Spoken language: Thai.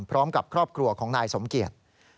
พร้อมกับครอบครัวของนายสมเกียจ